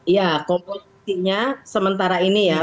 ya komposisinya sementara ini ya